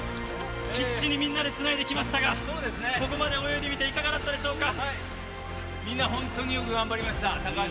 必死にみんなでつないできましたがここまで泳いでみていかがだったでしょうか？